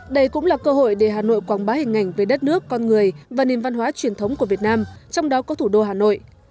đây cũng là cơ hội để hà nội quảng bá hình ảnh về đất nước con người và niềm văn hóa truyền thống của việt nam trong đó có thủ đô hà nội